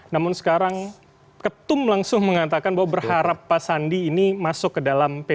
namun sekarang ketum langsung mengatakan bahwa berharap pak sandi ini masuk ke dalam p tiga